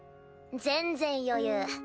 全然余裕。